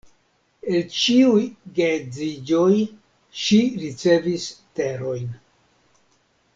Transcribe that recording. El ĉiuj geedziĝoj, ŝi ricevis terojn.